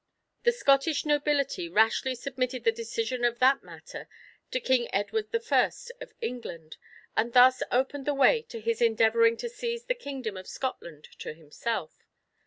The Scottish nobility rashly submitted the decision of that matter to King Edward I of England, and thus opened the way to his endeavouring to seize the kingdom of Scotland to himself.